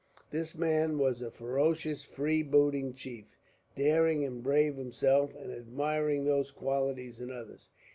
This man was a ferocious free booting chief, daring and brave himself, and admiring those qualities in others.